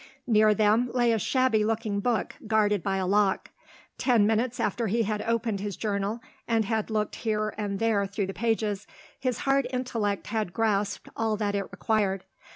Near them lay a shabby looking book, guarded by a lock. Ten minutes after he had opened his journal, and had looked here and there through the pages, his hard intellect had grasped all that it required.